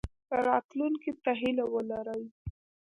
راتلونکي ته هیله ولرئ